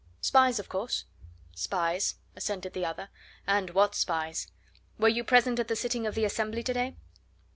"Spies, of course?" "Spies," assented the other. "And what spies! Were you present at the sitting of the Assembly to day?"